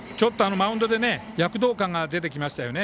マウンドで躍動感が出てきましたよね。